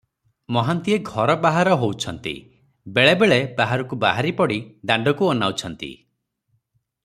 ମହାନ୍ତିଏ ଘର ବାହାର ହଉଛନ୍ତି, ବେଳେ ବେଳେ ବାହାରକୁ ବାହାରି ପଡ଼ି ଦାଣ୍ଡକୁ ଅନାଉଛନ୍ତି ।